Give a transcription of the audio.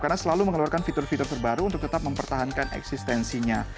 karena selalu mengeluarkan fitur fitur terbaru untuk tetap mempertahankan eksistensinya